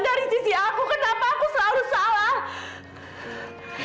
dari sisi aku kenapa aku selalu salah